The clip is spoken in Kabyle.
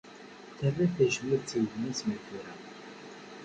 Terra tajmilt i yemma-s mi tura